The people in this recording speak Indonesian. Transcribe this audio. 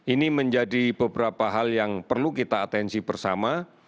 ini menjadi beberapa hal yang perlu kita atensi bersama